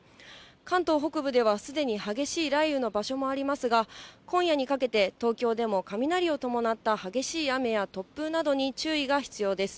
関東北部ではすでに激しい雷雨の場所もありますが、今夜にかけて東京でも雷を伴った激しい雨や突風などに注意が必要です。